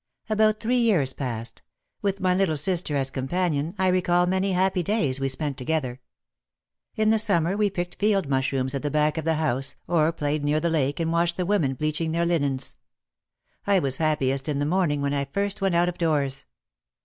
About three years passed. With my little sister as companion, I recall many happy days we spent together. In the summer we picked field mushrooms at the back of the house or played near the lake and watched the women bleaching their linens. I was happiest in the morning when I first went out of doors.